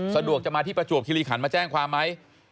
สะดวกจะมาที่ประจวบคิริขันมาแจ้งความไหม